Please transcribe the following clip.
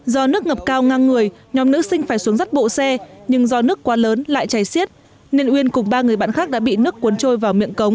do nước ngập cao ngang người nhóm nữ sinh phải xuống rất bộ xe nhưng do nước quá lớn lại chảy xiết nên uyên cùng ba người bạn khác đã bị nước cuốn trôi vào miệng cống